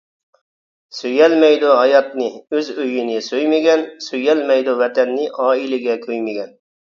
سۆيەلمەيدۇ ھاياتنى ئۆز ئۆيىنى سۆيمىگەن، سۆيەلمەيدۇ ۋەتەننى ئائىلىگە كۆيمىگەن.